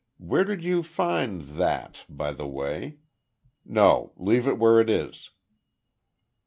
Where did you find that by the way? No leave it where it is."